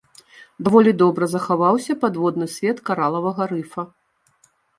Даволі добра захаваўся падводны свет каралавага рыфа.